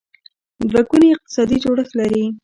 دوه ګونی اقتصادي جوړښت لري.